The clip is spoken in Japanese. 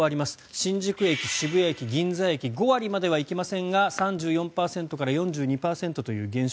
新宿駅、渋谷駅、銀座駅５割まではいきませんが３４％から４２％という減少。